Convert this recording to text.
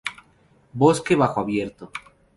Bosque Bajo Abierto.